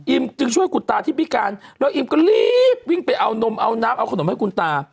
จึงช่วยคุณตาที่พิการแล้วอิมก็รีบวิ่งไปเอานมเอาน้ำเอาขนมให้คุณตา